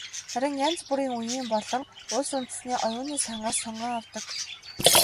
Харин янз бүрийн үеийн болон улс үндэстний оюуны сангаас сонгон авдаг.